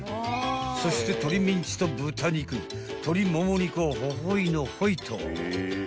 ［そして鶏ミンチと豚肉鶏もも肉をほほいのほいと］